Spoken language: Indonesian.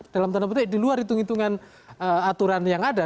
dalam tanda petik di luar hitung hitungan aturan yang ada